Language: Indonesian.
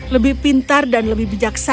lebih pintar dan lebih bijaksana